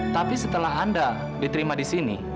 tapi setelah anda diterima di sini